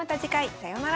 さようなら。